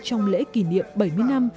trong lễ kỷ niệm bảy mươi năm